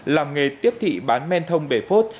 làm nghề tiếp thị bán men thông bể phốt